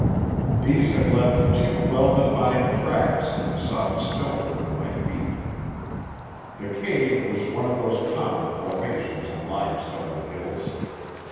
These had left two well defined tracks in the soft stone under my feet. The cave was one of those common formations in limestone hills.